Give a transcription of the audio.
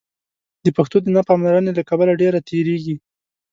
د پښتو د نه پاملرنې له کبله ډېره تېرېږي.